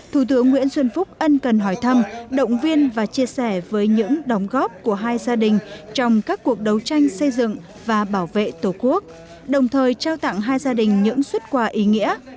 thủ tướng nguyễn xuân phúc ân cần hỏi thăm động viên và chia sẻ với những đóng góp của hai gia đình trong các cuộc đấu tranh xây dựng và bảo vệ tổ quốc đồng thời trao tặng hai gia đình những xuất quà ý nghĩa